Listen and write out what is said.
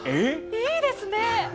いいですね！